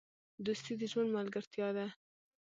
دوستي د ژوند ملګرتیا ده.